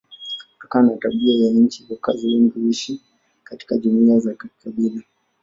Kutokana na tabia ya nchi wakazi wengi huishi katika jumuiya za kikabila.